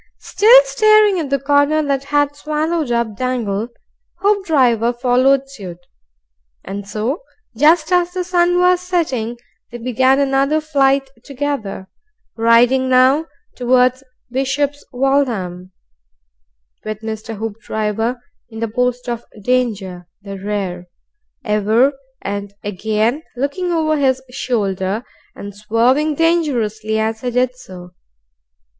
Still staring at the corner that had swallowed up Dangle, Hoopdriver followed suit. And so, just as the sun was setting, they began another flight together, riding now towards Bishops Waltham, with Mr. Hoopdriver in the post of danger the rear ever and again looking over his shoulder and swerving dangerously as he did so.